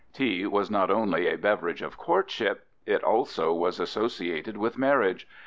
Tea was not only a beverage of courtship; it also was associated with marriage.